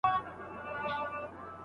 بازار د حکومت تر کنټرول لاندې دی.